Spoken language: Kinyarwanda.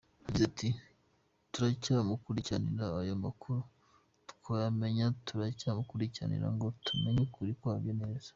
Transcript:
Yagize ati “Turacyamukurikirana, ayo makuru twayamenye turacyakurikirana ngo tumenye ukuri kwabyo neza.